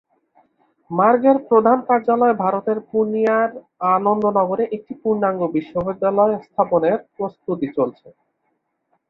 মার্গের প্রধান কার্যালয় ভারতের পূর্ণিয়ার আনন্দনগরে একটি পূর্ণাঙ্গ বিশ্ববিদ্যালয় স্থাপনের প্রস্ত্ততি চলছে।